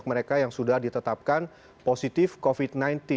mereka yang sudah ditetapkan positif covid sembilan belas